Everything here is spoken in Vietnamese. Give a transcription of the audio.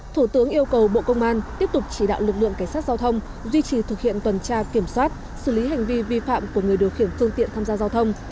thủ tướng yêu cầu bộ công an tiếp tục chỉ đạo lực lượng cảnh sát giao thông duy trì thực hiện tuần tra kiểm soát xử lý hành vi vi phạm của người điều khiển phương tiện tham gia giao thông